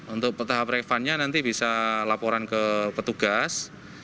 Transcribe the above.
untuk tahap refundnya nanti bisa laporan ke petugas